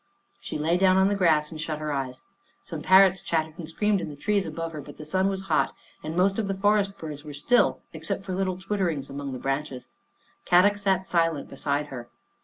She lay down on the grass and shut her eyes. Some parrots chattered and screamed in the trees above her, but the sun was hot and most of the forest birds were still, except for little twitter ings among the branches. Kadok sat silent beside her.